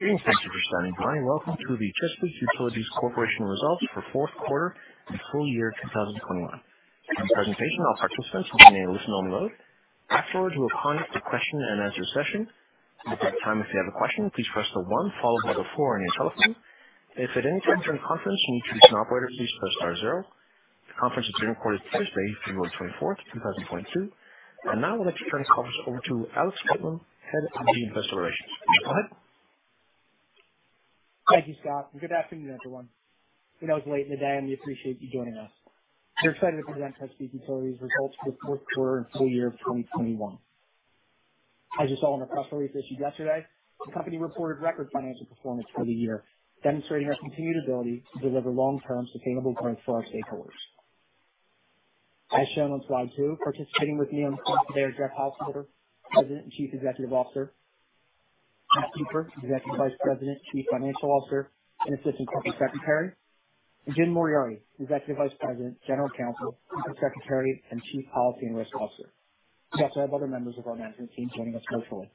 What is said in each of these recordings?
Thank you for standing by. Welcome to the Chesapeake Utilities Corporation results for the fourth quarter and full year 2021. In the presentation, all participants will be in a listen-only mode. Afterwards, we will conduct the question-and-answer session. At that time, if you have a question, please press star one on your telephone. If at any time during the conference you need to reach an operator, please press star zero. The conference is being recorded today, February 24th, 2022. And now I'd like to turn the conference over to Alex Whitelam, Head of Investor Relations. Go ahead. Thank you, Scott. And good afternoon, everyone. I know it's late in the day, and we appreciate you joining us. We're excited to present Chesapeake Utilities' results for the fourth quarter and full year of 2021. As you saw in our press release issued yesterday, the company reported record financial performance for the year, demonstrating our continued ability to deliver long-term sustainable growth for our stakeholders. As shown on slide two, participating with me on the conference today are Jeff Householder, President and Chief Executive Officer, Beth Cooper, Executive Vice President, Chief Financial Officer and Assistant Corporate Secretary, and Jim Moriarty, Executive Vice President, General Counsel, Corporate Secretary, and Chief Policy and Risk Officer. We also have other members of our management team joining us virtually.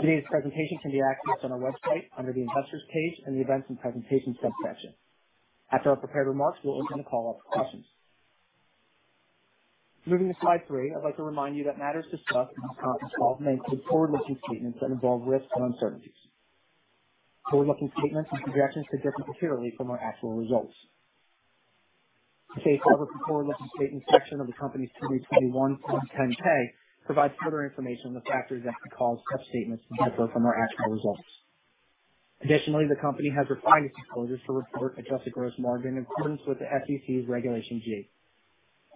Today's presentation can be accessed on our website under the Investors page in the Events and Presentations subsection. After our prepared remarks, we'll open the call up for questions. Moving to slide three, I'd like to remind you that matters discussed in this conference call may include forward-looking statements that involve risks and uncertainties. Forward-looking statements and projections could differ materially from our actual results. Please refer to the forward-looking statements section of the company's 2021 Form 10-K, which provides further information on the factors that could cause such statements to differ from our actual results. Additionally, the company has refined its disclosures to report adjusted gross margin in accordance with the SEC's Regulation G.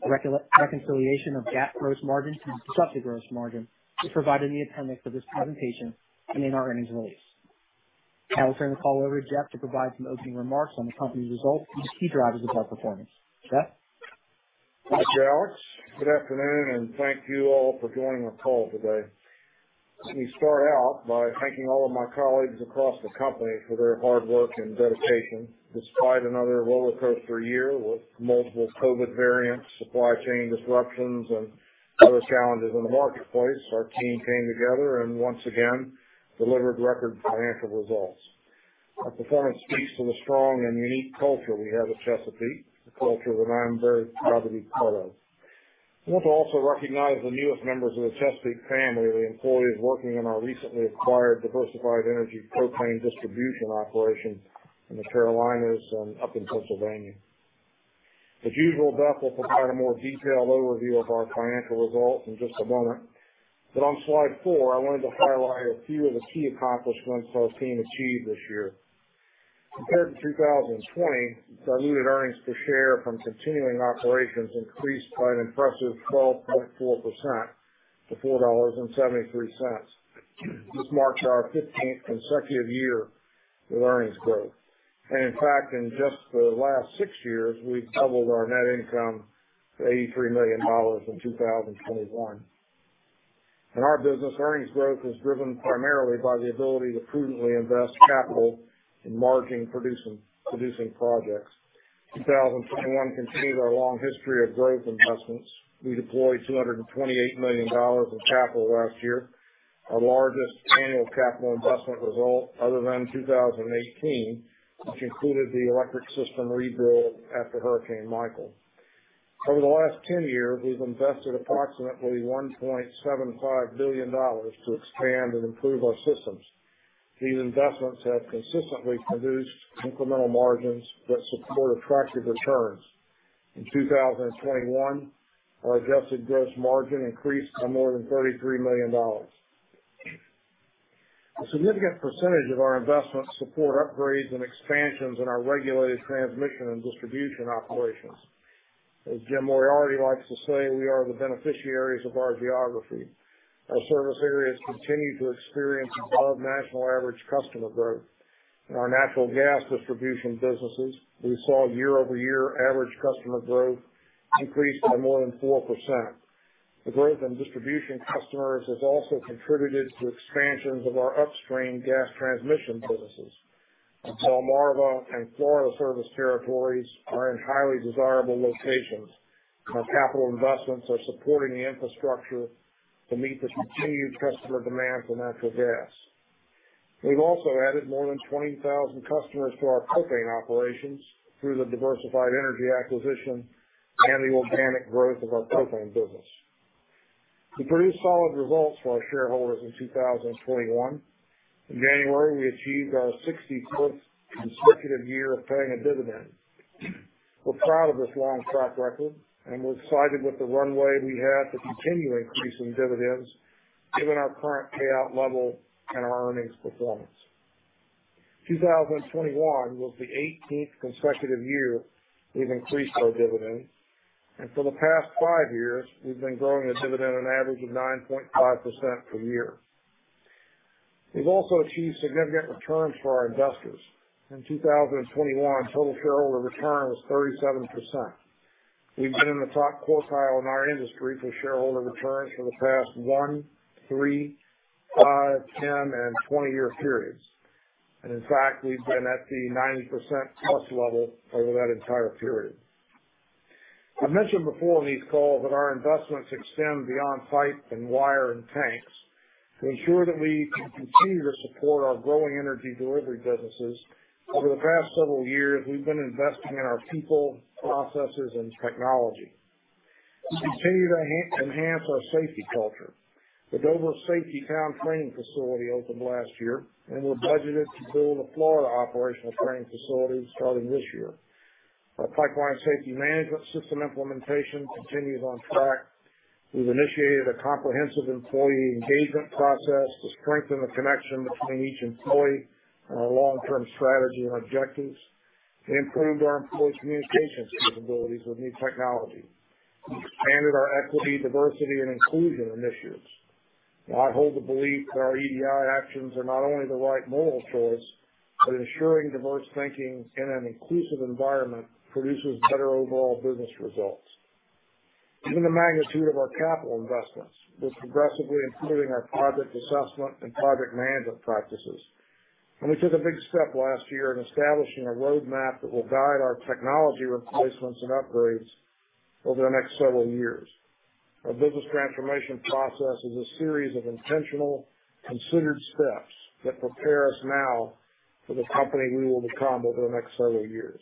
The reconciliation of GAAP gross margin to adjusted gross margin is provided in the appendix of this presentation and in our earnings release. Now we'll turn the call over to Jeff to provide some opening remarks on the company's results and the key drivers of our performance. Jeff? Thank you, Alex. Good afternoon, and thank you all for joining the call today. Let me start out by thanking all of my colleagues across the company for their hard work and dedication. Despite another roller coaster year with multiple COVID variants, supply chain disruptions, and other challenges in the marketplace, our team came together and once again delivered record financial results. Our performance speaks to the strong and unique culture we have at Chesapeake, a culture that I'm very proud to be part of. I want to also recognize the newest members of the Chesapeake family, the employees working in our recently acquired Diversified Energy propane distribution operation in the Carolina's and up in Pennsylvania. As usual, Beth will provide a more detailed overview of our financial results in just a moment, but on slide four, I wanted to highlight a few of the key accomplishments our team achieved this year. Compared to 2020, diluted earnings per share from continuing operations increased by an impressive 12.4% to $4.73. This marks our 15th consecutive year with earnings growth, and in fact, in just the last six years, we've doubled our net income to $83 million in 2021. In our business, earnings growth is driven primarily by the ability to prudently invest capital in margin-producing projects. 2021 continued our long history of growth investments. We deployed $228 million in capital last year, our largest annual capital investment result other than 2018, which included the electric system rebuild after Hurricane Michael. Over the last 10 years, we've invested approximately $1.75 billion to expand and improve our systems. These investments have consistently produced incremental margins that support attractive returns. In 2021, our adjusted gross margin increased by more than $33 million. A significant percentage of our investments support upgrades and expansions in our regulated transmission and distribution operations. As Jim Moriarty likes to say, we are the beneficiaries of our geography. Our service areas continue to experience above-national average customer growth. In our natural gas distribution businesses, we saw year-over-year average customer growth increase by more than 4%. The growth in distribution customers has also contributed to expansions of our upstream gas transmission businesses. The Delmarva and Florida service territories are in highly desirable locations, and our capital investments are supporting the infrastructure to meet the continued customer demand for natural gas. We've also added more than 20,000 customers to our propane operations through the Diversified Energy acquisition and the organic growth of our propane business. We produced solid results for our shareholders in 2021. In January, we achieved our 64th consecutive year of paying a dividend. We're proud of this long track record, and we're excited with the runway we have to continue increasing dividends given our current payout level and our earnings performance. 2021 was the 18th consecutive year we've increased our dividend, and for the past five years, we've been growing a dividend on average of 9.5% per year. We've also achieved significant returns for our investors. In 2021, total shareholder return was 37%. We've been in the top quartile in our industry for shareholder returns for the past one, three, five, 10, and 20-year periods. And in fact, we've been at the 90% plus level over that entire period. I've mentioned before in these calls that our investments extend beyond pipe and wire and tanks. To ensure that we can continue to support our growing energy delivery businesses, over the past several years, we've been investing in our people, processes, and technology. We continue to enhance our safety culture. The Dover Safety Town Training Facility opened last year, and we're budgeted to build a Florida operational training facility starting this year. Our pipeline safety management system implementation continues on track. We've initiated a comprehensive employee engagement process to strengthen the connection between each employee and our long-term strategy and objectives. We improved our employee communications capabilities with new technology. We expanded our equity, diversity, and inclusion initiatives. I hold the belief that our EDI actions are not only the right moral choice, but ensuring diverse thinking in an inclusive environment produces better overall business results. Given the magnitude of our capital investments, we're progressively improving our project assessment and project management practices. And we took a big step last year in establishing a roadmap that will guide our technology replacements and upgrades over the next several years. Our business transformation process is a series of intentional, considered steps that prepare us now for the company we will become over the next several years.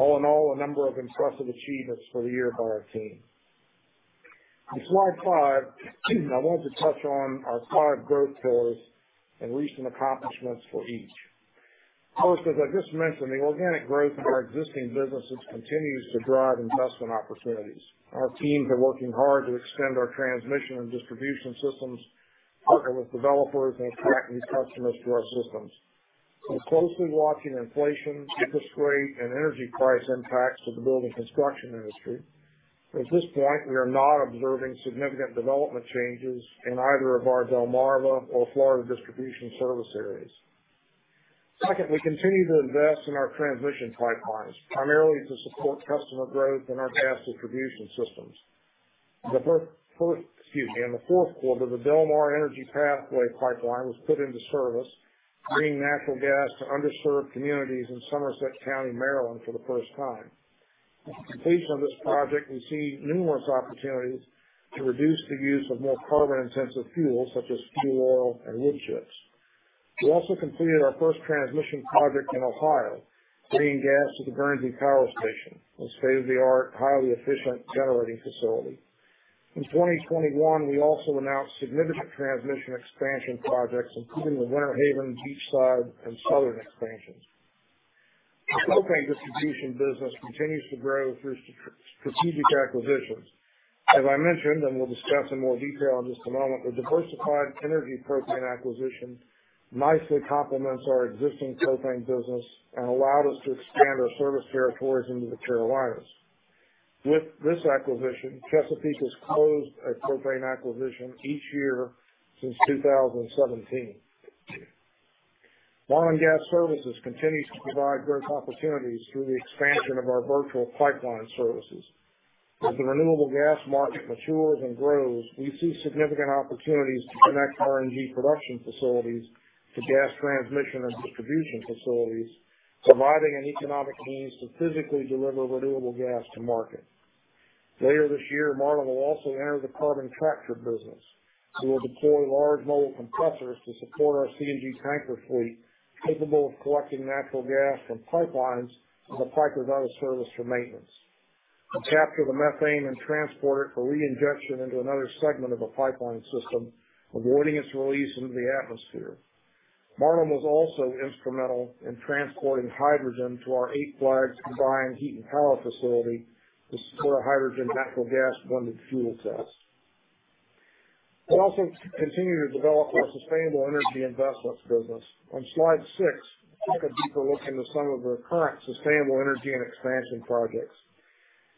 All in all, a number of impressive achievements for the year by our team. On slide five, I wanted to touch on our five growth pillars and recent accomplishments for each. First, as I just mentioned, the organic growth of our existing businesses continues to drive investment opportunities. Our teams are working hard to extend our transmission and distribution systems, partner with developers, and attract new customers to our systems. We're closely watching inflation, interest rate, and energy price impacts to the building construction industry. At this point, we are not observing significant development changes in either of our Delmarva or Florida distribution service areas. Second, we continue to invest in our transmission pipelines, primarily to support customer growth in our gas distribution systems. In the fourth quarter, the Del-Mar Energy Pathway pipeline was put into service, bringing natural gas to underserved communities in Somerset County, Maryland, for the first time. With the completion of this project, we see numerous opportunities to reduce the use of more carbon-intensive fuels, such as fuel oil and wood chips. We also completed our first transmission project in Ohio, bringing gas to the Guernsey Power Station, a state-of-the-art, highly efficient generating facility. In 2021, we also announced significant transmission expansion projects, including the Winter Haven, Beachside, and Southern expansions. The propane distribution business continues to grow through strategic acquisitions. As I mentioned, and we'll discuss in more detail in just a moment, the Diversified Energy propane acquisition nicely complements our existing propane business and allowed us to expand our service territories into the Carolinas. With this acquisition, Chesapeake has closed a propane acquisition each year since 2017. Marlin Gas Services continues to provide growth opportunities through the expansion of our virtual pipeline services. As the renewable gas market matures and grows, we see significant opportunities to connect RNG production facilities to gas transmission and distribution facilities, providing an economic means to physically deliver renewable gas to market. Later this year, Marlin will also enter the carbon capture business. We will deploy large mobile compressors to support our CNG tanker fleet, capable of collecting natural gas from pipelines and the pipes out of service for maintenance. We'll capture the methane and transport it for re-injection into another segment of the pipeline system, avoiding its release into the atmosphere. Marlin was also instrumental in transporting hydrogen to our Eight Flags Combined Heat and Power Facility to support a hydrogen-natural gas blended fuel test. We also continue to develop our sustainable energy investments business. On slide six, we'll take a deeper look into some of the current sustainable energy and expansion projects.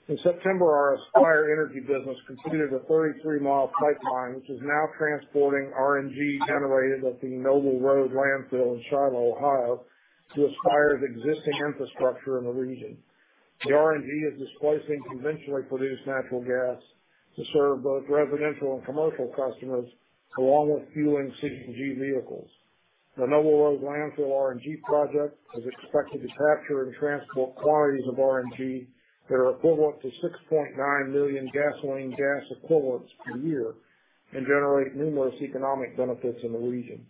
In September, our Aspire Energy business completed a 33-mile pipeline, which is now transporting RNG generated at the Noble Road Landfill in Shiloh, Ohio, to Aspire's existing infrastructure in the region. The RNG is displacing conventionally produced natural gas to serve both residential and commercial customers, along with fueling CNG vehicles. The Noble Road Landfill RNG project is expected to capture and transport quantities of RNG that are equivalent to 6.9 million gasoline gallon equivalents per year and generate numerous economic benefits in the region.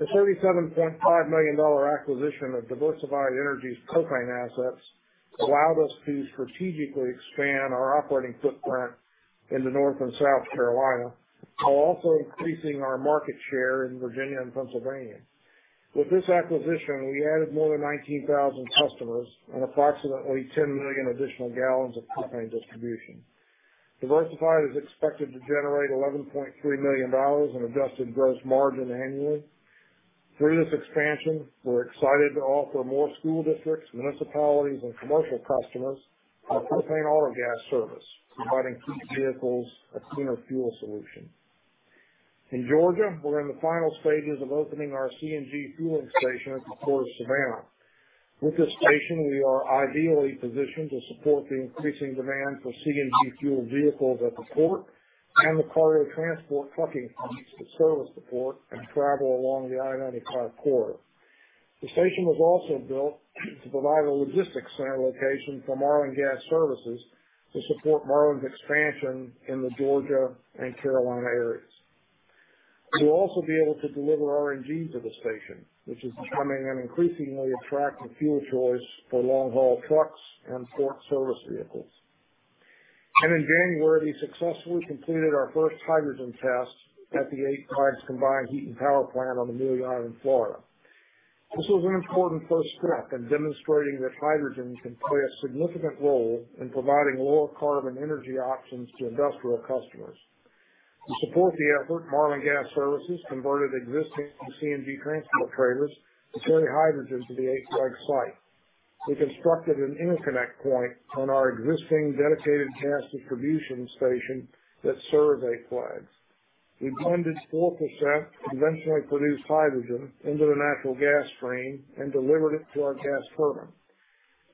The $37.5 million acquisition of Diversified Energy's propane assets allowed us to strategically expand our operating footprint into North and South Carolina, while also increasing our market share in Virginia and Pennsylvania. With this acquisition, we added more than 19,000 customers and approximately 10 million additional gallons of propane distribution. Diversified is expected to generate $11.3 million in adjusted gross margin annually. Through this expansion, we're excited to offer more school districts, municipalities, and commercial customers our propane autogas service, providing key vehicles a cleaner fuel solution. In Georgia, we're in the final stages of opening our CNG fueling station at the Port of Savannah. With this station, we are ideally positioned to support the increasing demand for CNG fuel vehicles at the port and the cargo transport trucking fleets that service the port and travel along the I-95 corridor. The station was also built to provide a logistics center location for Marlin Gas Services to support Marlin's expansion in the Georgia and Carolina areas. We'll also be able to deliver RNG to the station, which is becoming an increasingly attractive fuel choice for long-haul trucks and port service vehicles. And in January, we successfully completed our first hydrogen test at the Eight Flags Combined Heat and Power Plant in Yulee, Florida. This was an important first step in demonstrating that hydrogen can play a significant role in providing lower carbon energy options to industrial customers. To support the effort, Marlin Gas Services converted existing CNG transport trailers to carry hydrogen to the Eight Flags site. We constructed an interconnect point on our existing dedicated gas distribution station that serves Eight Flags. We blended 4% conventionally produced hydrogen into the natural gas stream and delivered it to our gas turbine.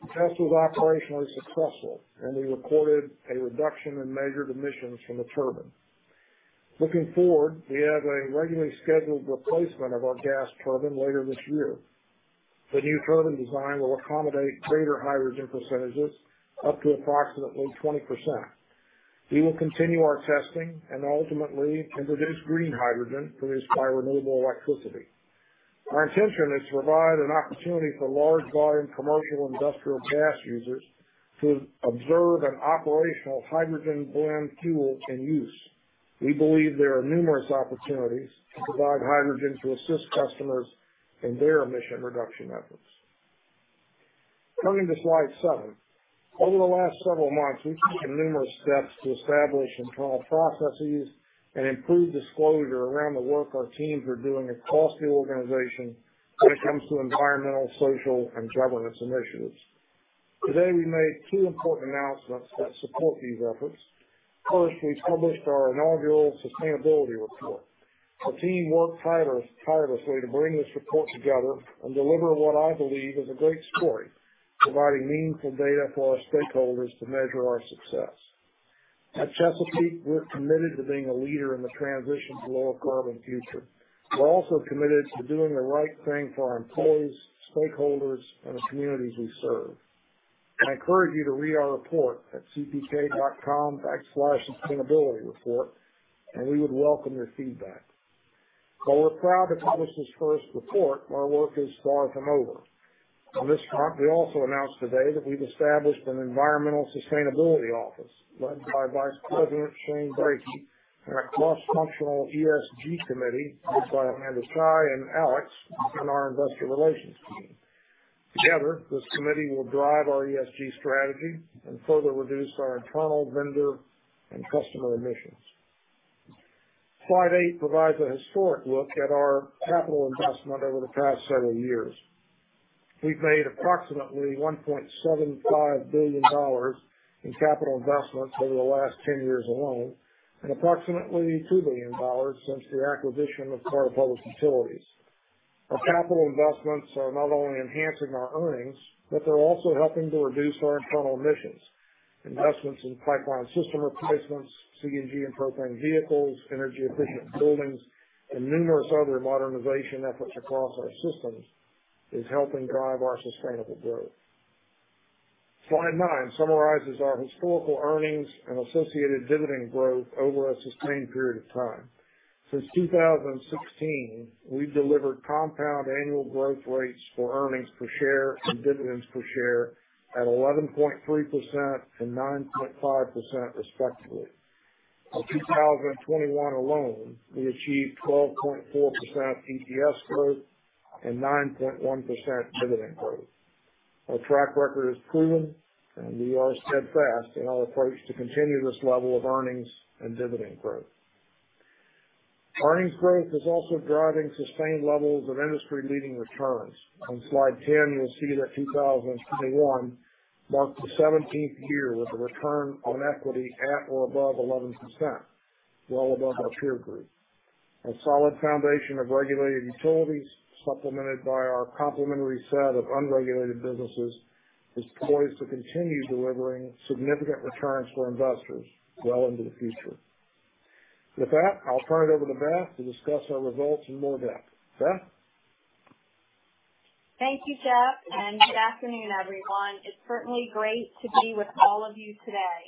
The test was operationally successful, and we recorded a reduction in measured emissions from the turbine. Looking forward, we have a regularly scheduled replacement of our gas turbine later this year. The new turbine design will accommodate greater hydrogen percentages up to approximately 20%. We will continue our testing and ultimately introduce green hydrogen produced by renewable electricity. Our intention is to provide an opportunity for large-volume commercial industrial gas users to observe an operational hydrogen blend fuel in use. We believe there are numerous opportunities to provide hydrogen to assist customers in their emission reduction efforts. Turning to slide seven, over the last several months, we've taken numerous steps to establish internal processes and improve disclosure around the work our teams are doing across the organization when it comes to environmental, social, and governance initiatives. Today, we made two important announcements that support these efforts. First, we published our inaugural sustainability report. The team worked tirelessly to bring this report together and deliver what I believe is a great story, providing meaningful data for our stakeholders to measure our success. At Chesapeake, we're committed to being a leader in the transition to a lower carbon future. We're also committed to doing the right thing for our employees, stakeholders, and the communities we serve. I encourage you to read our report at cpk.com/sustainabilityreport, and we would welcome your feedback. While we're proud to publish this first report, our work is far from over. On this front, we also announced today that we've established an environmental sustainability office led by Vice President Shane Breakie, and a cross-functional ESG committee led by Amanda Chi and Alex and our investor relations team. Together, this committee will drive our ESG strategy and further reduce our internal vendor and customer emissions. Slide eight provides a historic look at our capital investment over the past several years. We've made approximately $1.75 billion in capital investments over the last 10 years alone and approximately $2 billion since the acquisition of Florida Public Utilities. Our capital investments are not only enhancing our earnings, but they're also helping to reduce our internal emissions. Investments in pipeline system replacements, CNG and propane vehicles, energy-efficient buildings, and numerous other modernization efforts across our systems are helping drive our sustainable growth. Slide nine summarizes our historical earnings and associated dividend growth over a sustained period of time. Since 2016, we've delivered compound annual growth rates for earnings per share and dividends per share at 11.3% and 9.5%, respectively. In 2021 alone, we achieved 12.4% EPS growth and 9.1% dividend growth. Our track record is proven, and we are steadfast in our approach to continue this level of earnings and dividend growth. Earnings growth is also driving sustained levels of industry-leading returns. On Slide 10, you'll see that 2021 marked the 17th year with a return on equity at or above 11%, well above our peer group. A solid foundation of regulated utilities, supplemented by our complementary set of unregulated businesses, is poised to continue delivering significant returns for investors well into the future. With that, I'll turn it over to Beth to discuss our results in more depth. Beth? Thank you, Jeff, and good afternoon, everyone. It's certainly great to be with all of you today.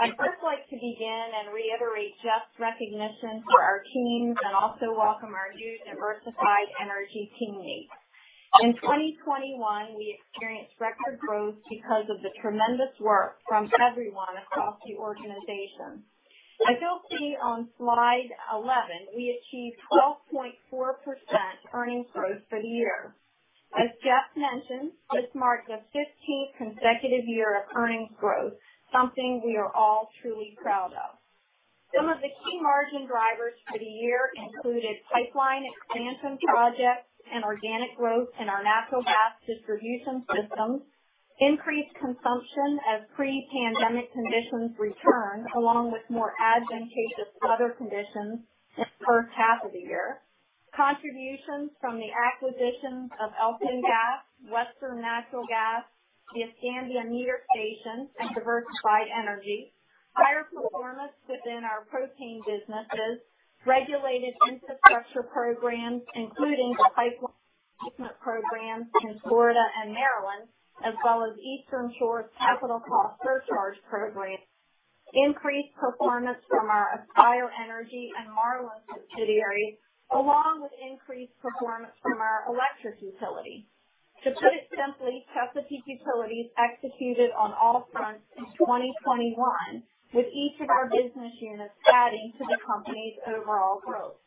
I'd first like to begin and reiterate Jeff's recognition for our teams and also welcome our new Diversified Energy teammates. In 2021, we experienced record growth because of the tremendous work from everyone across the organization. As you'll see on slide 11, we achieved 12.4% earnings growth for the year. As Jeff mentioned, this marks a 15th consecutive year of earnings growth, something we are all truly proud of. Some of the key margin drivers for the year included pipeline expansion projects and organic growth in our natural gas distribution systems, increased consumption as pre-pandemic conditions returned, along with more advantageous weather conditions in the first half of the year, contributions from the acquisition of Elkin Gas, Western Natural Gas, the Escambia Meter Station, and Diversified Energy, higher performance within our propane businesses, regulated infrastructure programs, including the pipeline management programs in Florida and Maryland, as well as Eastern Shore's capital cost surcharge program, increased performance from our Aspire Energy and Marlin subsidiaries, along with increased performance from our electric utility. To put it simply, Chesapeake Utilities executed on all fronts in 2021, with each of our business units adding to the company's overall growth.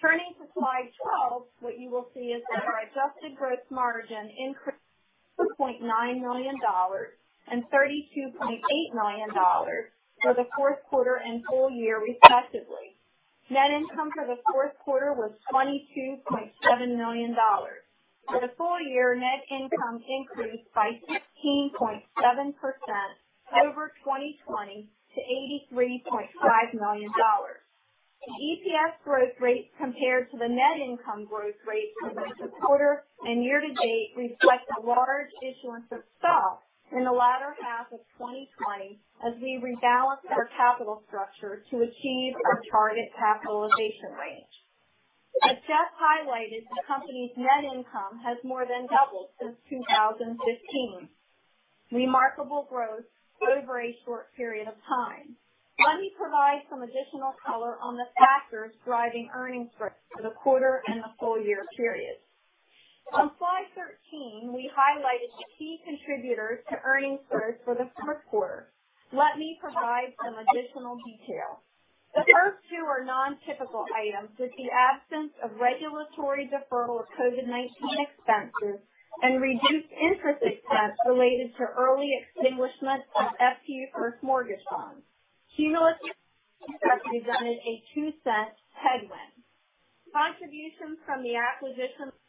Turning to slide 12, what you will see is that our Adjusted Gross Margin increased $2.9 million and $32.8 million for the fourth quarter and full year, respectively. Net income for the fourth quarter was $22.7 million. For the full year, net income increased by 16.7% over 2020 to $83.5 million. The EPS growth rates compared to the net income growth rates from the quarter and year-to-date reflect a large issuance of stock in the latter half of 2020 as we rebalanced our capital structure to achieve our target capitalization range. As Jeff highlighted, the company's net income has more than doubled since 2015, remarkable growth over a short period of time. Let me provide some additional color on the factors driving earnings growth for the quarter and the full year period. On slide 13, we highlighted the key contributors to earnings growth for the fourth quarter. Let me provide some additional detail. The first two are non-typical items with the absence of regulatory deferral of COVID-19 expenses and reduced interest expense related to early extinguishment of FPU first mortgage bonds. Cumulus represented a $0.02 headwind. Contributions from the acquisition of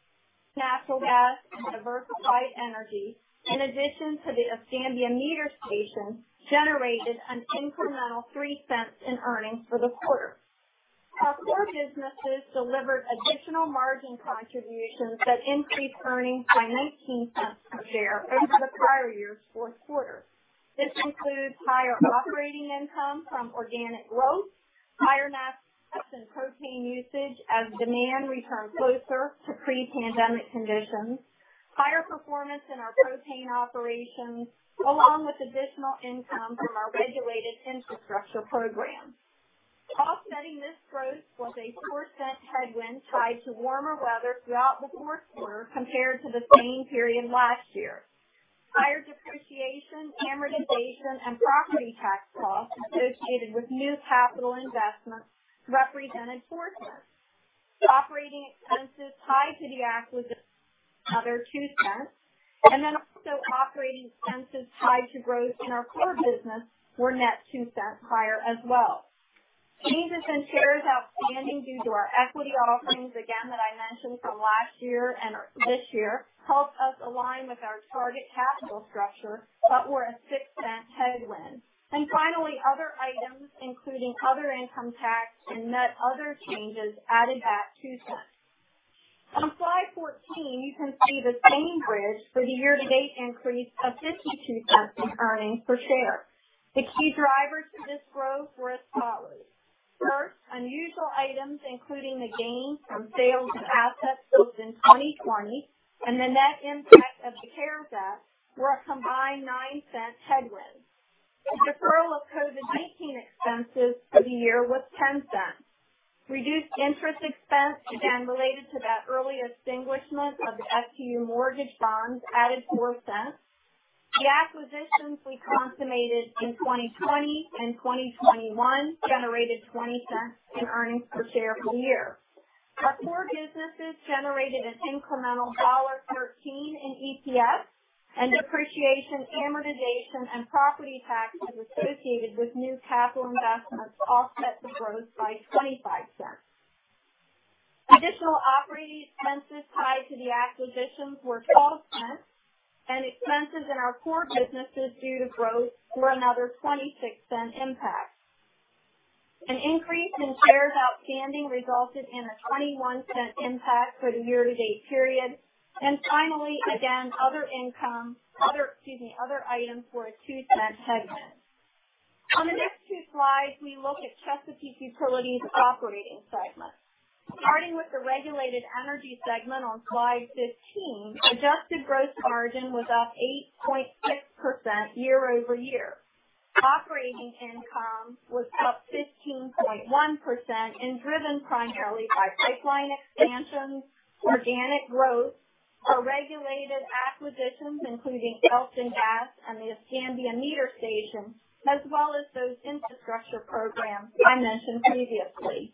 Elkin Gas and Diversified Energy, in addition to the Escambia Meter Station, generated an incremental $0.03 in earnings for the quarter. Our core businesses delivered additional margin contributions that increased earnings by $0.19 per share over the prior-year's fourth quarter. This includes higher operating income from organic growth, higher natural gas and propane usage as demand returned closer to pre-pandemic conditions, higher performance in our propane operations, along with additional income from our regulated infrastructure program. Offsetting this growth was a $0.04 headwind tied to warmer weather throughout the fourth quarter compared to the same period last year. Higher depreciation, amortization, and property tax costs associated with new capital investments represented $0.04. Operating expenses tied to the acquisition were another $0.02, and then also operating expenses tied to growth in our core business were net $0.02 higher as well. Changes in shares outstanding due to our equity offerings, again that I mentioned from last year and this year, helped us align with our target capital structure, but were a $0.06 headwind. And finally, other items, including other income tax and net other changes, added that $0.02. On slide 14, you can see the same bridge for the year-to-date increase of $0.52 in earnings per share. The key drivers for this growth were as follows. First, unusual items, including the gain from sales of assets built in 2020 and the net impact of the CARES Act, were a combined $0.09 headwind. The deferral of COVID-19 expenses for the year was $0.10. Reduced interest expense, again related to that early extinguishment of the FPU mortgage bonds, added $0.04. The acquisitions we consummated in 2020 and 2021 generated $0.20 in earnings per share for the year. Our core businesses generated an incremental $1.13 in EPS, and depreciation, amortization, and property taxes associated with new capital investments offset the growth by $0.25. Additional operating expenses tied to the acquisitions were $0.12, and expenses in our core businesses due to growth were another $0.26 impact. An increase in shares outstanding resulted in a $0.21 impact for the year-to-date period. And finally, again, other income, other, excuse me, other items were a $0.02 headwind. On the next two slides, we look at Chesapeake Utilities' operating segment. Starting with the regulated energy segment on slide 15, adjusted gross margin was up 8.6% year-over-year. Operating income was up 15.1% and driven primarily by pipeline expansions, organic growth, our regulated acquisitions, including Elkin Gas and the Escambia Meter Station, as well as those infrastructure programs I mentioned previously.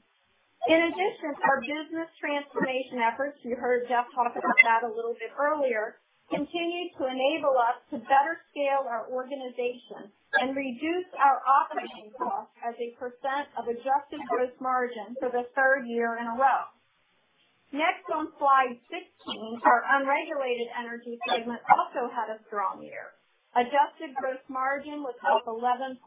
In addition, our business transformation efforts, you heard Jeff talk about that a little bit earlier, continued to enable us to better scale our organization and reduce our operating costs as a percent of adjusted gross margin for the third year in a row. Next, on slide 16, our unregulated energy segment also had a strong year. Adjusted gross margin was up 11.4%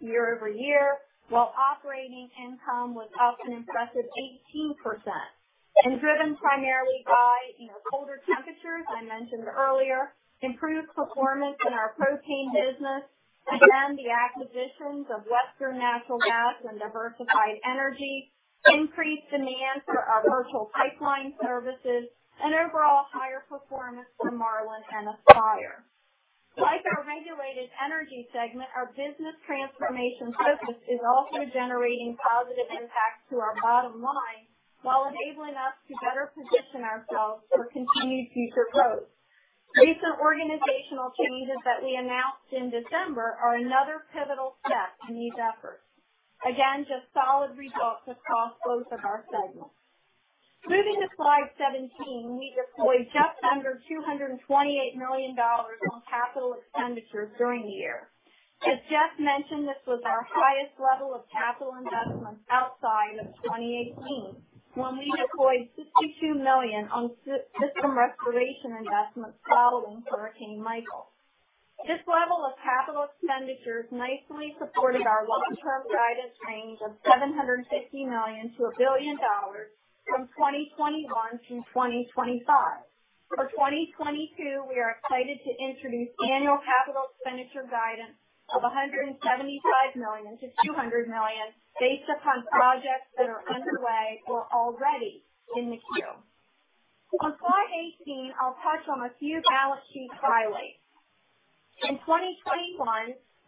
year-over-year, while operating income was up an impressive 18%. Driven primarily by, you know, colder temperatures I mentioned earlier, improved performance in our propane business, again the acquisitions of Western Natural Gas and Diversified Energy, increased demand for our virtual pipeline services, and overall higher performance for Marlin and Aspire. Like our regulated energy segment, our business transformation focus is also generating positive impacts to our bottom line while enabling us to better position ourselves for continued future growth. Recent organizational changes that we announced in December are another pivotal step in these efforts. Again, just solid results across both of our segments. Moving to slide 17, we deployed just under $228 million on capital expenditures during the year. As Jeff mentioned, this was our highest level of capital investments outside of 2018 when we deployed $62 million on system restoration investments following Hurricane Michael. This level of capital expenditures nicely supported our long-term guidance range of $750 million-$1 billion from 2021 through 2025. For 2022, we are excited to introduce annual capital expenditure guidance of $175 million-$200 million based upon projects that are underway or already in the queue. On slide 18, I'll touch on a few balance sheet highlights. In 2021,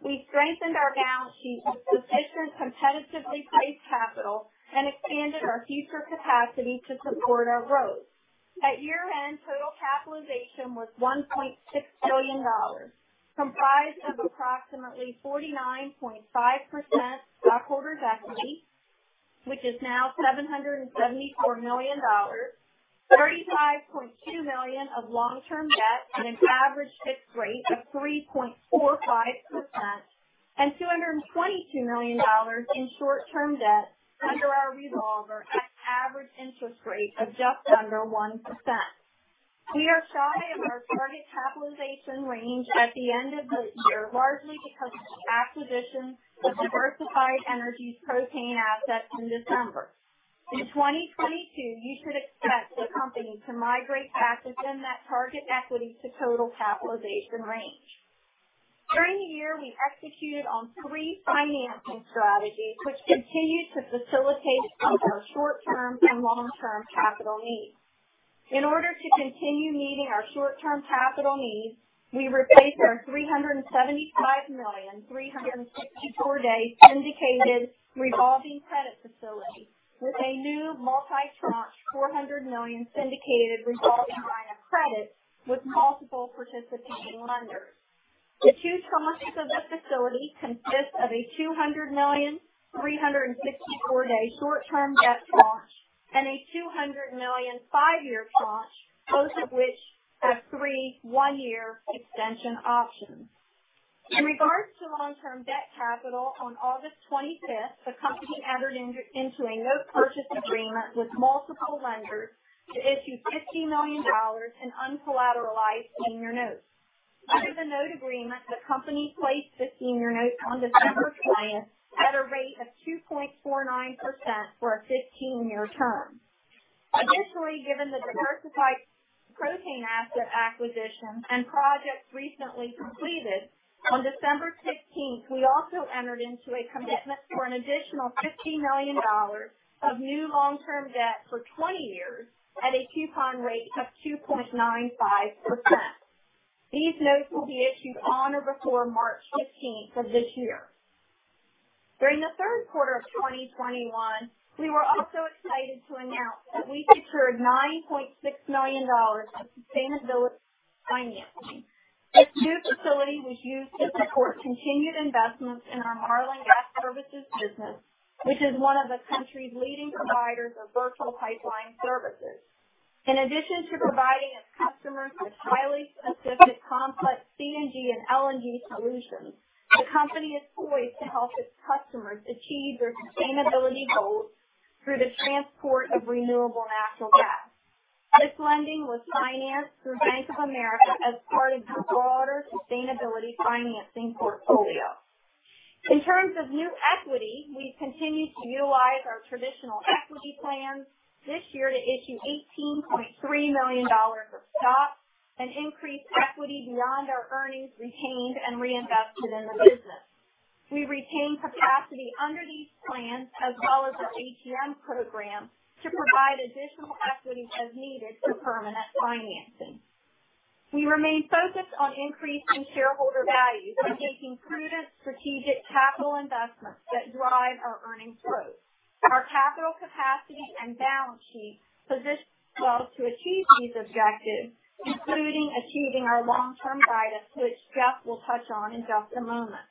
we strengthened our balance sheet with sufficient competitively priced capital and expanded our future capacity to support our growth. At year-end, total capitalization was $1.6 billion, comprised of approximately 49.5% stockholders' equity, which is now $774 million, $35.2 million of long-term debt at an average fixed rate of 3.45%, and $222 million in short-term debt under our revolver at an average interest rate of just under 1%. We are shy of our target capitalization range at the end of the year, largely because of the acquisition of Diversified Energy's propane assets in December. In 2022, you should expect the company to migrate back within that target equity to total capitalization range. During the year, we executed on three financing strategies, which continue to facilitate both our short-term and long-term capital needs. In order to continue meeting our short-term capital needs, we replaced our $375 million, 364-day syndicated revolving credit facility with a new multi-tranche $400 million syndicated revolving line of credit with multiple participating lenders. The two tranches of the facility consist of a $200 million, 364-day short-term debt tranche and a $200 million five-year tranche, both of which have three one-year extension options. In regards to long-term debt capital, on August 25th, the company entered into a note purchase agreement with multiple lenders to issue $50 million in uncollateralized senior notes. Under the note agreement, the company placed the senior notes on December 20th at a rate of 2.49% for a 15-year term. Additionally, given the Diversified Energy propane asset acquisition and projects recently completed, on December 15th, we also entered into a commitment for an additional $50 million of new long-term debt for 20 years at a coupon rate of 2.95%. These notes will be issued on or before March 15th of this year. During the third quarter of 2021, we were also excited to announce that we secured $9.6 million of sustainability financing. This new facility was used to support continued investments in our Marlin Gas Services business, which is one of the country's leading providers of virtual pipeline services. In addition to providing its customers with highly specific, complex CNG and LNG solutions, the company is poised to help its customers achieve their sustainability goals through the transport of renewable natural gas. This lending was financed through Bank of America as part of the broader sustainability financing portfolio. In terms of new equity, we've continued to utilize our traditional equity plans this year to issue $18.3 million of stock and increase equity beyond our earnings retained and reinvested in the business. We retained capacity under these plans as well as our ATM program to provide additional equity as needed for permanent financing. We remain focused on increasing shareholder value by taking prudent, strategic capital investments that drive our earnings growth. Our capital capacity and balance sheet position well to achieve these objectives, including achieving our long-term guidance, which Jeff will touch on in just a moment.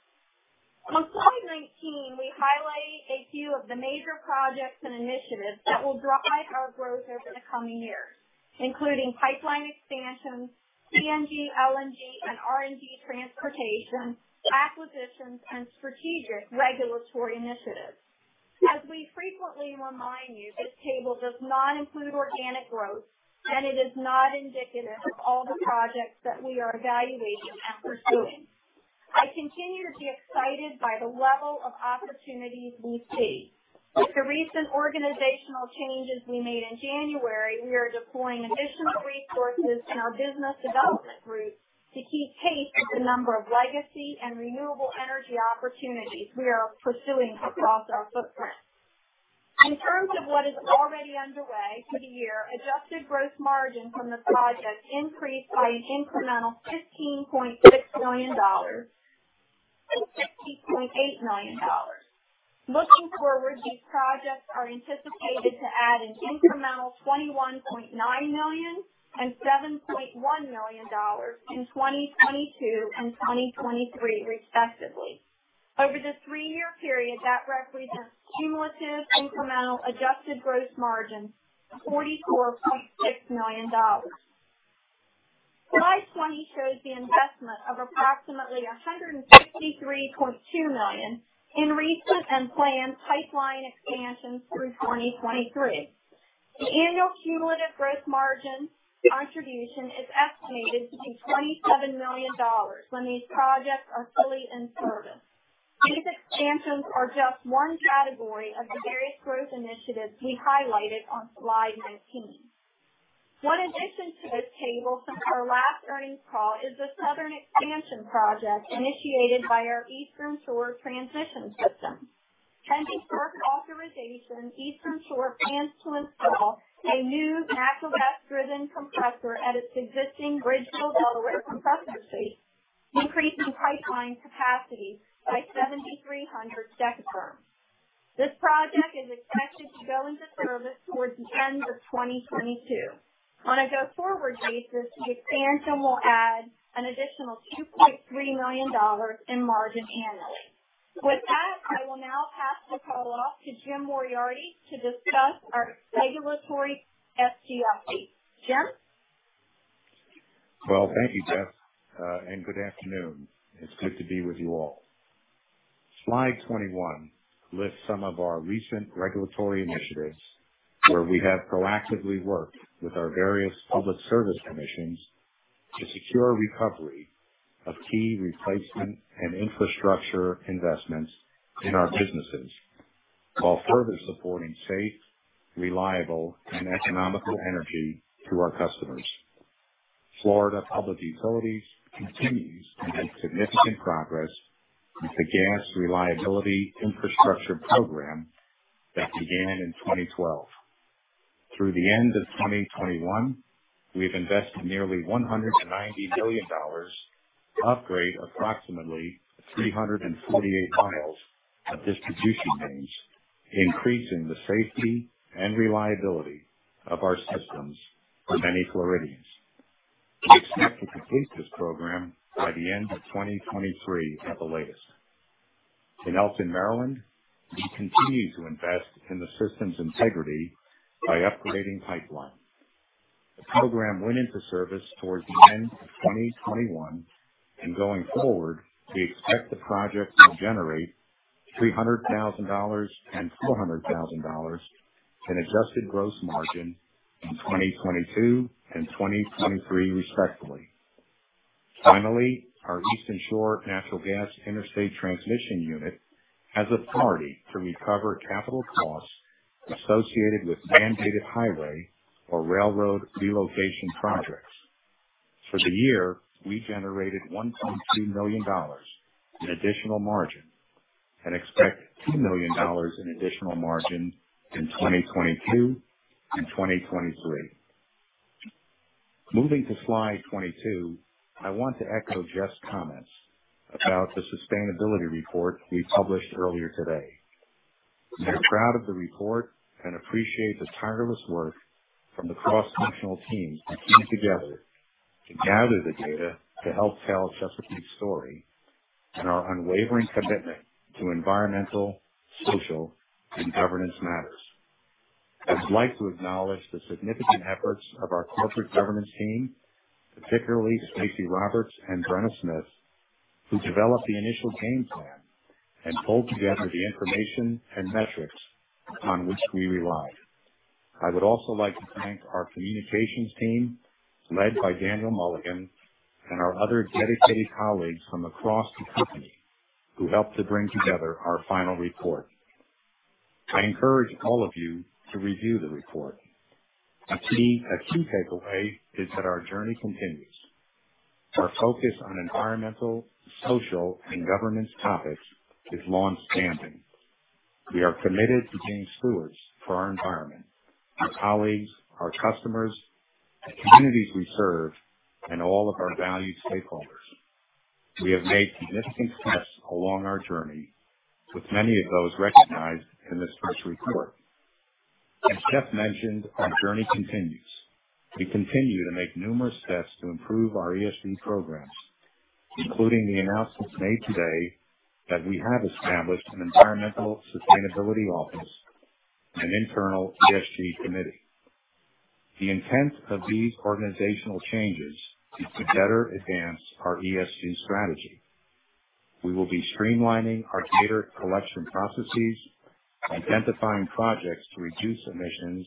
On slide 19, we highlighted a few of the major projects and initiatives that will drive our growth over the coming years, including pipeline expansion, CNG, LNG, and RNG transportation acquisitions, and strategic regulatory initiatives. As we frequently remind you, this table does not include organic growth, and it is not indicative of all the projects that we are evaluating and pursuing. I continue to be excited by the level of opportunities we see. With the recent organizational changes we made in January, we are deploying additional resources in our business development group to keep pace with the number of legacy and renewable energy opportunities we are pursuing across our footprint. In terms of what is already underway for the year, adjusted gross margin from the project increased by an incremental $15.6 million to $50.8 million. Looking forward, these projects are anticipated to add an incremental $21.9 million and $7.1 million in 2022 and 2023, respectively. Over the three-year period, that represents cumulative, incremental, Adjusted Gross Margin of $44.6 million. Slide 20 shows the investment of approximately $163.2 million in recent and planned pipeline expansions through 2023. The annual cumulative gross margin contribution is estimated to be $27 million when these projects are fully in service. These expansions are just one category of the various growth initiatives we highlighted on slide 19. One addition to this table from our last earnings call is the Southern Expansion project initiated by our Eastern Shore Transmission System. Pending work authorization, Eastern Shore plans to install a new natural gas-driven compressor at its existing Bridgeville compressor station, increasing pipeline capacity by 7,300 decatherms. This project is expected to go into service towards the end of 2022. On a go-forward basis, the expansion will add an additional $2.3 million in margin annually. With that, I will now pass the call off to Jim Moriarty to discuss our regulatory SGLP. Jim? Thank you, Jeff, and good afternoon. It's good to be with you all. Slide 21 lists some of our recent regulatory initiatives where we have proactively worked with our various public service commissions to secure recovery of key replacement and infrastructure investments in our businesses while further supporting safe, reliable, and economical energy to our customers. Florida Public Utilities continues to make significant progress with the Gas Reliability Infrastructure Program that began in 2012. Through the end of 2021, we have invested nearly $190 million to upgrade approximately 348 mi of distribution mains, increasing the safety and reliability of our systems for many Floridians. We expect to complete this program by the end of 2023 at the latest. In Elkton, Maryland, we continue to invest in the system's integrity by upgrading pipelines. The program went into service towards the end of 2021, and going forward, we expect the project to generate $300,000 and $400,000 in Adjusted Gross Margin in 2022 and 2023, respectively. Finally, our Eastern Shore Natural Gas Interstate Transmission Unit has authority to recover capital costs associated with mandated highway or railroad relocation projects. For the year, we generated $1.2 million in additional margin and expect $2 million in additional margin in 2022 and 2023. Moving to slide 22, I want to echo Jeff's comments about the sustainability report we published earlier today. We are proud of the report and appreciate the tireless work from the cross-functional teams who came together to gather the data to help tell Chesapeake's story and our unwavering commitment to environmental, social, and governance matters. I would like to acknowledge the significant efforts of our corporate governance team, particularly Stacie Roberts and Brenna Smith, who developed the initial game plan and pulled together the information and metrics upon which we rely. I would also like to thank our communications team, led by Danielle Mulligan, and our other dedicated colleagues from across the company who helped to bring together our final report. I encourage all of you to review the report. A key takeaway is that our journey continues. Our focus on environmental, social, and governance topics is longstanding. We are committed to being stewards for our environment, our colleagues, our customers, the communities we serve, and all of our valued stakeholders. We have made significant steps along our journey, with many of those recognized in this first report. As Jeff mentioned, our journey continues. We continue to make numerous steps to improve our ESG programs, including the announcements made today that we have established an Environmental Sustainability Office and an internal ESG committee. The intent of these organizational changes is to better advance our ESG strategy. We will be streamlining our data collection processes, identifying projects to reduce emissions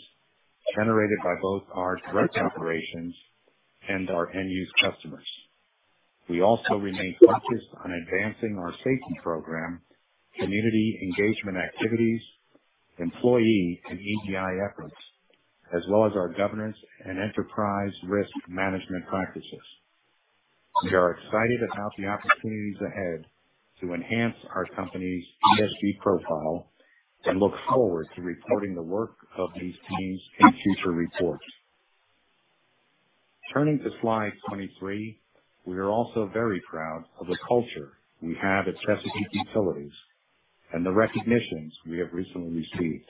generated by both our direct operations and our end-use customers. We also remain focused on advancing our safety program, community engagement activities, employee and EDI efforts, as well as our governance and enterprise risk management practices. We are excited about the opportunities ahead to enhance our company's ESG profile and look forward to reporting the work of these teams in future reports. Turning to slide 23, we are also very proud of the culture we have at Chesapeake Utilities and the recognitions we have recently received.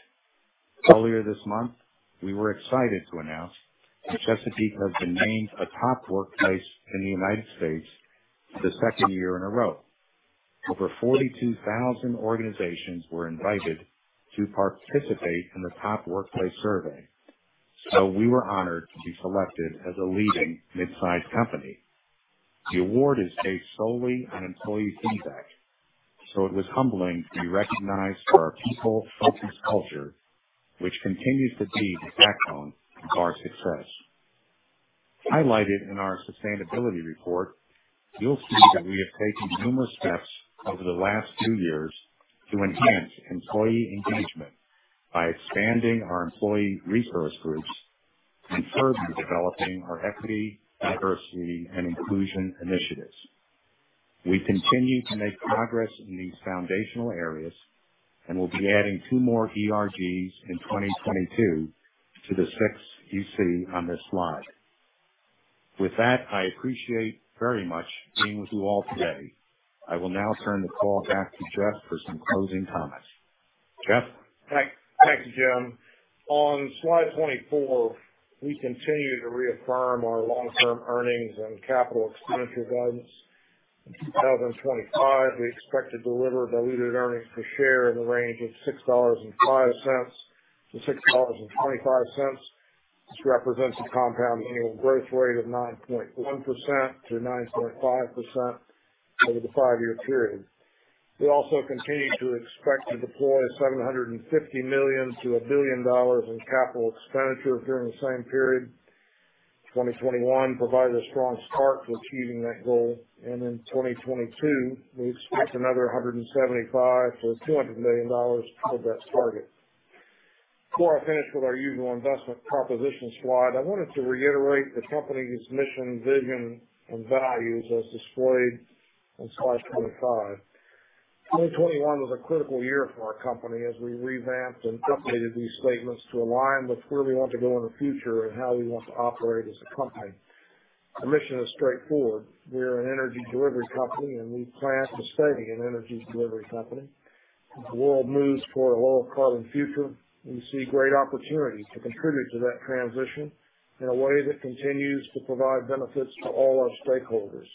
Earlier this month, we were excited to announce that Chesapeake has been named a top workplace in the United States for the second year in a row. Over 42,000 organizations were invited to participate in the top workplace survey, so we were honored to be selected as a leading midsize company. The award is based solely on employee feedback, so it was humbling to be recognized for our people-focused culture, which continues to be the backbone of our success. Highlighted in our sustainability report, you'll see that we have taken numerous steps over the last few years to enhance employee engagement by expanding our employee resource groups and further developing our equity, diversity, and inclusion initiatives. We continue to make progress in these foundational areas and will be adding two more ERGs in 2022 to the six you see on this slide. With that, I appreciate very much being with you all today. I will now turn the call back to Jeff for some closing comments. Jeff? Thank you, Jim. On slide 24, we continue to reaffirm our long-term earnings and capital expenditure guidance. In 2025, we expect to deliver diluted earnings per share in the range of $6.05-$6.25. This represents a compound annual growth rate of 9.1%-9.5% over the five-year period. We also continue to expect to deploy $750 million-$1 billion in capital expenditure during the same period. 2021 provided a strong start to achieving that goal, and in 2022, we expect another $175 million-$200 million toward that target. Before I finish with our usual investment proposition slide, I wanted to reiterate the company's mission, vision, and values as displayed on slide 25. 2021 was a critical year for our company as we revamped and updated these statements to align with where we want to go in the future and how we want to operate as a company. Our mission is straightforward. We are an energy delivery company, and we plan to stay an energy delivery company. As the world moves toward a lower carbon future, we see great opportunities to contribute to that transition in a way that continues to provide benefits to all our stakeholders.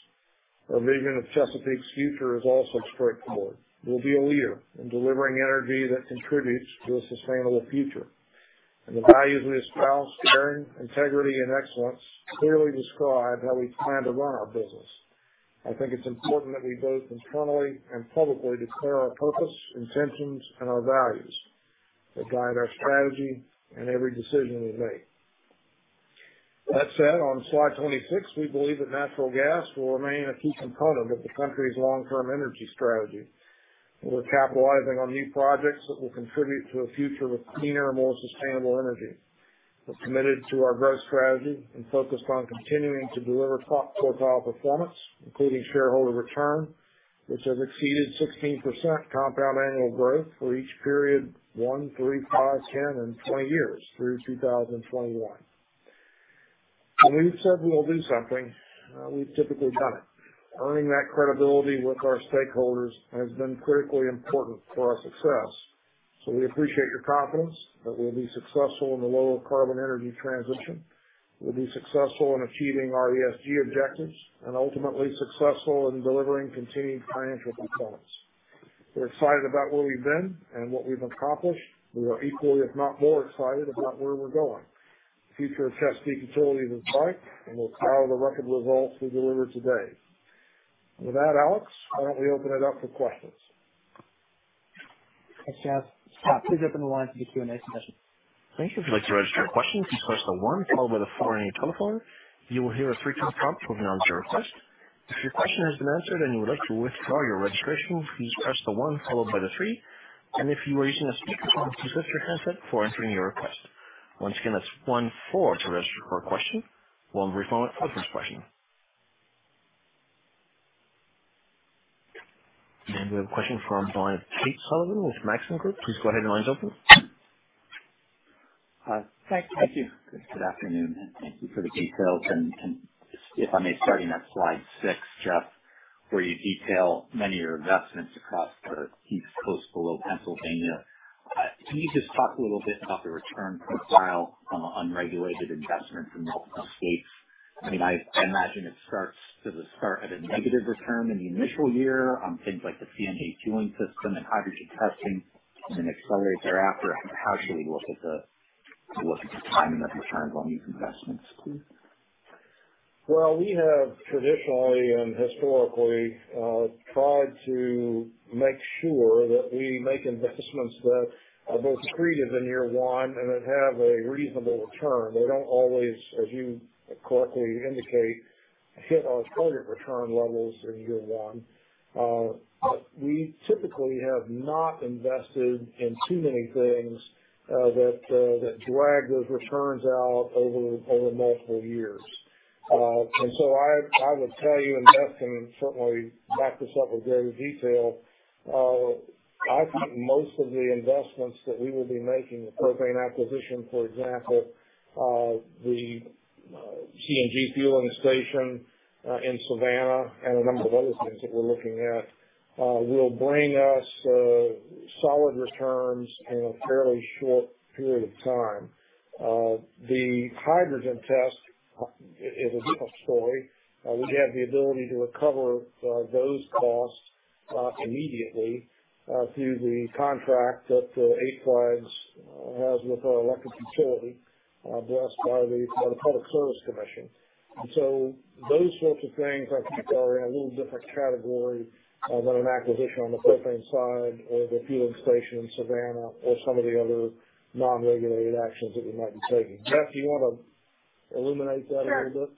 Our vision of Chesapeake's future is also straightforward. We'll be a leader in delivering energy that contributes to a sustainable future. The values we espouse, caring, integrity, and excellence, clearly describe how we plan to run our business. I think it's important that we both internally and publicly declare our purpose, intentions, and our values that guide our strategy and every decision we make. That said, on slide 26, we believe that natural gas will remain a key component of the country's long-term energy strategy. We're capitalizing on new projects that will contribute to a future with cleaner, more sustainable energy. We're committed to our growth strategy and focused on continuing to deliver top quartile performance, including shareholder return, which has exceeded 16% compound annual growth for each period one, three, five, 10, and 20 years through 2021. When we've said we'll do something, we've typically done it. Earning that credibility with our stakeholders has been critically important for our success, so we appreciate your confidence that we'll be successful in the lower carbon energy transition, we'll be successful in achieving our ESG objectives, and ultimately successful in delivering continued financial performance. We're excited about where we've been and what we've accomplished. We are equally, if not more, excited about where we're going. The future of Chesapeake Utilities is bright, and we're proud of the record results we delivered today. With that, Alex, why don't we open it up for questions? Thanks, Jeff. Scott, please open the line for the Q&A session. Thank you. If you'd like to register a question, please press the one followed by the four on your telephone. You will hear a three-tone prompt moving on to your request. If your question has been answered and you would like to withdraw your registration, please press the one followed by the three. And if you are using a speakerphone, please lift your handset before entering your request. Once again, that's one, four to register for a question. We'll have a brief moment for the first question. And we have a question from Tate Sullivan with Maxim Group. Please go ahead and have your lines open. Hi. Thank you. Good afternoon, and thank you for the details. And if I may, starting at slide 6, Jeff, where you detail many of your investments across the East Coast below Pennsylvania, can you just talk a little bit about the return profile on unregulated investments in multiple states? I mean, I imagine it starts at a negative return in the initial year on things like the CNG fueling system and hydrogen testing, and then accelerate thereafter. How should we look at the timing of returns on these investments, please? We have traditionally and historically tried to make sure that we make investments that are both accretive in year one and that have a reasonable return. They don't always, as you correctly indicate, hit our target return levels in year one. We typically have not invested in too many things that drag those returns out over multiple years. And so I would tell you, and Beth can certainly back this up with greater detail. I think most of the investments that we will be making, the propane acquisition, for example, the CNG fueling station in Savannah, and a number of other things that we're looking at, will bring us solid returns in a fairly short period of time. The hydrogen test is a different story. We have the ability to recover those costs immediately through the contract that Eight Flags has with our electric utility, blessed by the Public Service Commission. And so those sorts of things, I think, are in a little different category than an acquisition on the propane side or the fueling station in Savannah or some of the other non-regulated actions that we might be taking. Jeff, do you want to illuminate that a little bit?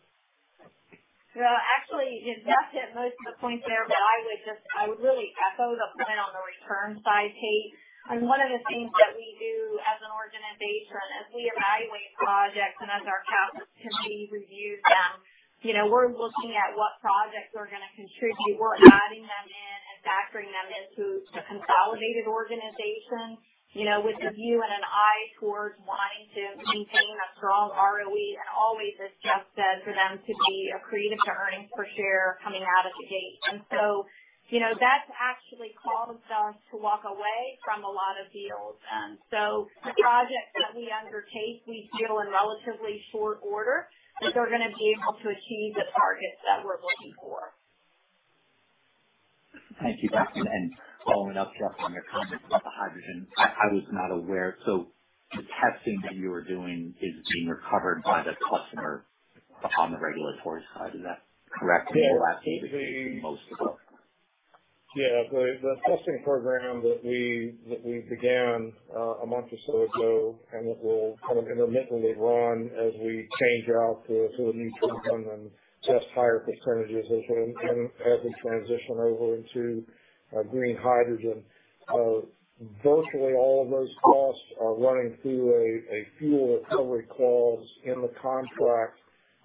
Actually, Jeff hit most of the points there, but I would really echo the point on the return side, Tate. One of the things that we do as an organization, as we evaluate projects and as our capital reviews them, we're looking at what projects are going to contribute. We're adding them in and factoring them into a consolidated organization with the view and an eye towards wanting to maintain a strong ROE, and always, as Jeff said, for them to be accretive to earnings per share coming out of the gate. And so that's actually caused us to walk away from a lot of deals. And so the projects that we undertake, we deal in relatively short order, but they're going to be able to achieve the targets that we're looking for. Thank you, Jeff. And following up, Jeff, on your comment about the hydrogen, I was not aware. So the testing that you are doing is being recovered by the customer on the regulatory side. Is that correct? We will have to be able to do most of those. Yeah. The testing program that we began a month or so ago and that will kind of intermittently run as we change out to a new compound and test higher percentages as we transition over into Green Hydrogen. Virtually all of those costs are running through a fuel recovery clause in the contract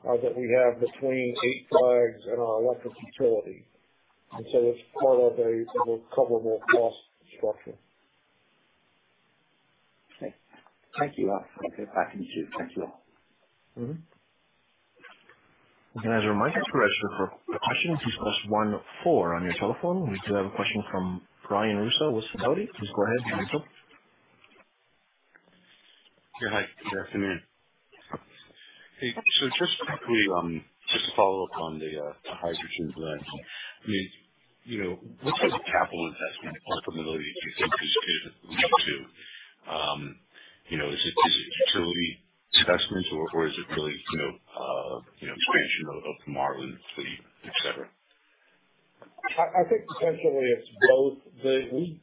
that we have between Eight Flags and our electric utility. And so it's part of a recoverable cost structure. Thank you. I'll get back into it. Thank you all. And as a reminder to register for questions, please press one four on your telephone. We do have a question from Brian Russo with Sidoti. Please go ahead, Brian. Hi. Good afternoon. Hey. So just quickly, just to follow up on the hydrogen grant. I mean, what type of capital investment or capability do you think this could lead to? Is it utility investments, or is it really expansion of Marlin and, etc.? I think potentially it's both.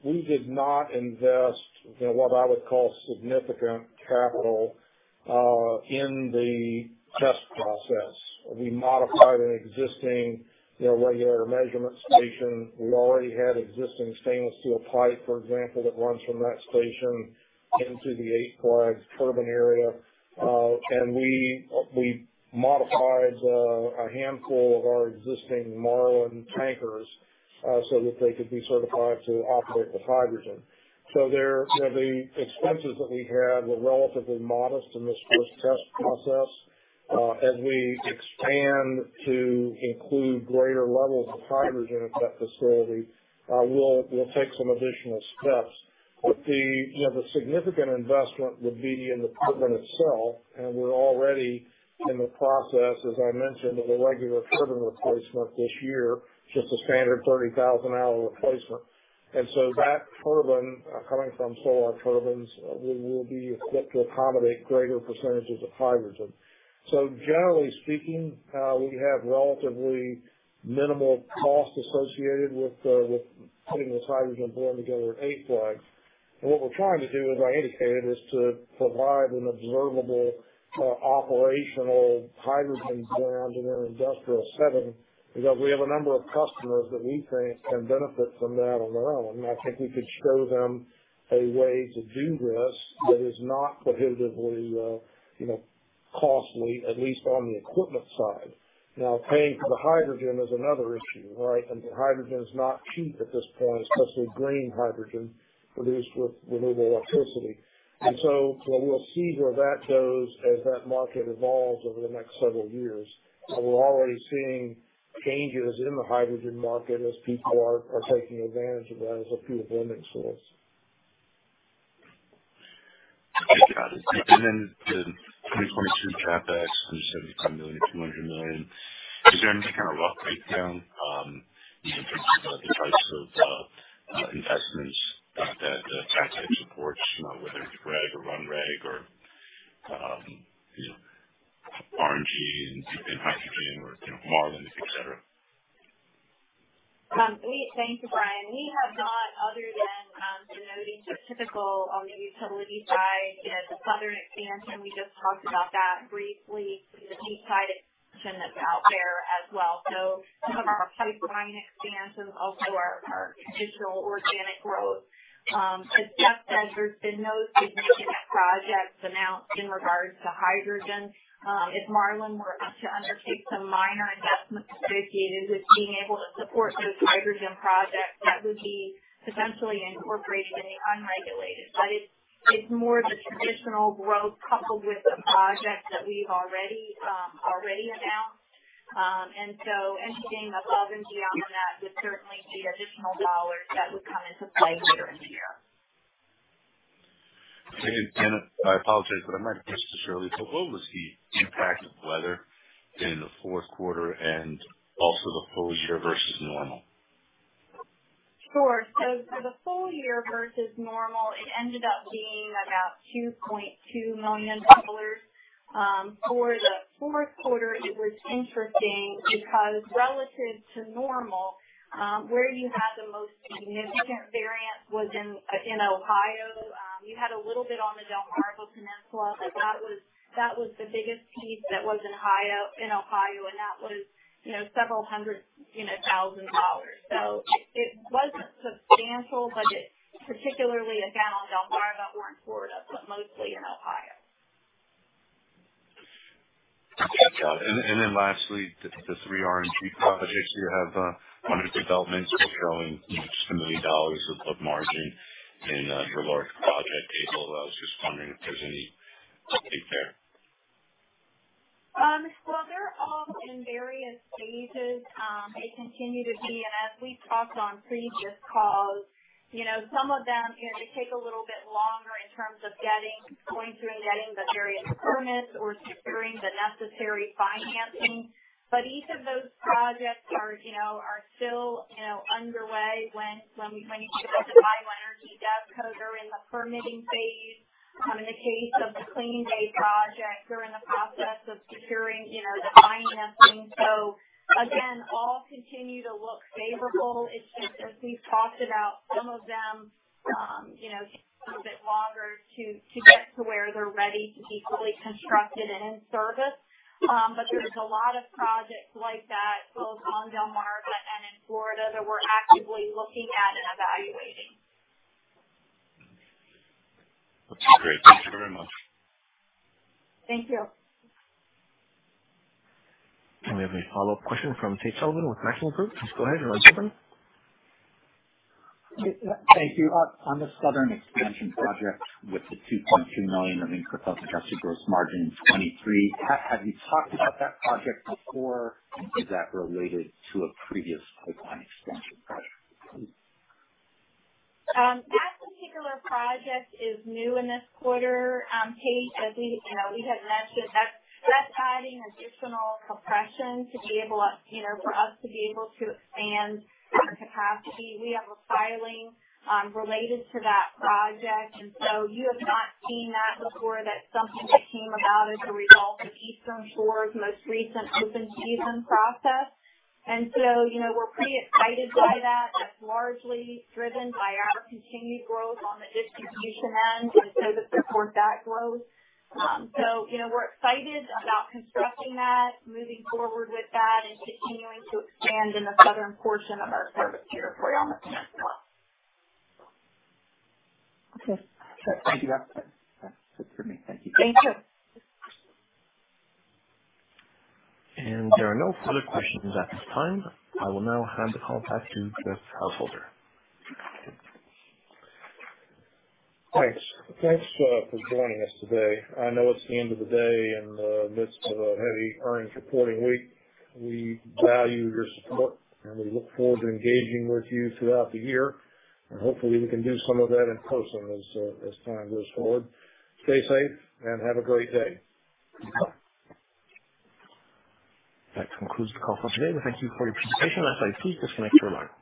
We did not invest what I would call significant capital in the test process. We modified an existing regulator measurement station. We already had existing stainless steel pipe, for example, that runs from that station into the Eight Flags turbine area. And we modified a handful of our existing Marlin tankers so that they could be certified to operate with hydrogen. So the expenses that we had were relatively modest in this first test process. As we expand to include greater levels of hydrogen at that facility, we'll take some additional steps. But the significant investment would be in the turbine itself. And we're already in the process, as I mentioned, of a regular turbine replacement this year, just a standard 30,000-hour replacement. And so that turbine, coming from Solar Turbines, will be equipped to accommodate greater percentages of hydrogen. So generally speaking, we have relatively minimal cost associated with putting this hydrogen blend together at Eight Flags. And what we're trying to do, as I indicated, is to provide an observable operational hydrogen blend in an industrial setting because we have a number of customers that we think can benefit from that on their own. And I think we could show them a way to do this that is not prohibitively costly, at least on the equipment side. Now, paying for the hydrogen is another issue, right? And the hydrogen is not cheap at this point, especially green hydrogen produced with renewable electricity. And so we'll see where that goes as that market evolves over the next several years. We're already seeing changes in the hydrogen market as people are taking advantage of that as a fuel blending source. I got it. And then the 2022 CapEx, $175 million-$200 million, is there any kind of rough breakdown in terms of the types of investments that CapEx supports, whether it's regulated or unregulated or RNG and hydrogen or Marlin, etc.? Thank you, Brian. We have not, other than denoting the typical on the utility side, the Southern Expansion. We just talked about that briefly. The Beachside Expansion that's out there as well. So some of our pipeline expansions, also our traditional organic growth. As Jeff said, there's been no significant projects announced in regards to hydrogen. If Marlin were to undertake some minor investments associated with being able to support those hydrogen projects, that would be potentially incorporated in the unregulated. But it's more the traditional growth coupled with the projects that we've already announced. And so anything above and beyond that would certainly be additional dollars that would come into play year-and-year. And I apologize, but I might have missed this earlier. What was the impact of weather in the fourth quarter and also the full year versus normal? Sure. So for the full year versus normal, it ended up being about $2.2 million. For the fourth quarter, it was interesting because relative to normal, where you had the most significant variance was in Ohio. You had a little bit on the Delmarva Peninsula, but that was the biggest piece that was in Ohio, and that was several hundred thousand dollars. So it wasn't substantial, but it particularly again on Delmarva, more in Florida, but mostly in Ohio. And then lastly, the three RNG projects you have under development are showing just $1 million of margin in your large project table. I was just wondering if there's any update there. Well, they're all in various phases. They continue to be. And as we talked on previous calls, some of them, they take a little bit longer in terms of going through and getting the various permits or securing the necessary financing. But each of those projects are still underway when you get the BioEnergy DevCo in the permitting phase. In the case of the CleanBay project, they're in the process of securing the financing. So again, all continue to look favorable. It's just, as we've talked about, some of them take a little bit longer to get to where they're ready to be fully constructed and in service. But there's a lot of projects like that, both on Delmarva and in Florida, that we're actively looking at and evaluating. That's great. Thank you very much. Thank you. And we have a follow-up question from Tate Sullivan with Maxim Group. Please go ahead and raise your hand. Thank you. On the Southern Expansion project with the $2.2 million of incremental Adjusted Gross Margin in 2023, have you talked about that project before? And is that related to a previous pipeline expansion project? That particular project is new in this quarter. Tate, as we had mentioned, that's adding additional compression to be able for us to be able to expand our capacity. We have a filing related to that project. And so you have not seen that before. That's something that came about as a result of Eastern Shore's most recent open season process. And so we're pretty excited by that. That's largely driven by our continued growth on the distribution end and so to support that growth. So we're excited about constructing that, moving forward with that, and continuing to expand in the southern portion of our service territory on the Peninsula. Okay. Thank you, Beth. That's it for me. Thank you. Thank you. And there are no further questions at this time. I will now hand the call back to Jeff Householder. Thanks for joining us today. I know it's the end of the day in the midst of a heavy earnings reporting week. We value your support, and we look forward to engaging with you throughout the year. And hopefully, we can do some of that in person as time goes forward. Stay safe and have a great day. That concludes the call for today. We thank you for your participation. Lastly, please disconnect your line.